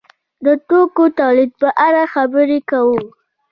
د توکو تولید په اړه خبرې کوو.